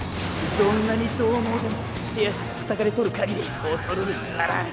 どんなにどう猛でも手足が塞がれとるかぎり恐るるに足らん！